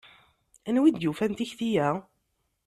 Anwa i d-yufan tikti-a?